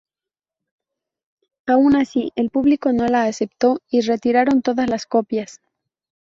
Aun así, el público no la aceptó y retiraron todas las copias.